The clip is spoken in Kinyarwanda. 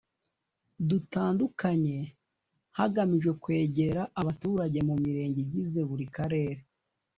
dutandukanye hagamijwe kwegera abaturage mu Mirenge igize buri Karere